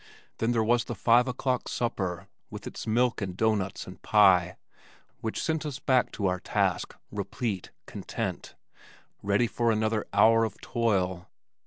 Then there was the five o'clock supper, with its milk and doughnuts and pie which sent us back to our task replete, content, ready for another hour of toil.